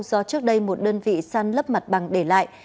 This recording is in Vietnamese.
do trước đây một đơn vị săn lấp mặt bằng để lại